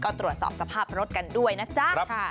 ก็ตรวจสอบสภาพรถกันด้วยนะจ๊ะ